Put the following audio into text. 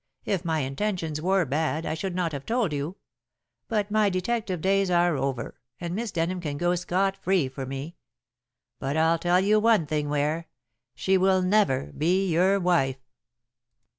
If my intentions were bad, I should not have told you. But my detective days are over, and Miss Denham can go scot free for me. But I'll tell you one thing, Ware. She will never be your wife."